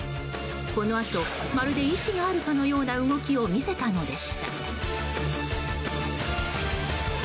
このあとまるで意思があるかのような動きを見せたのでした。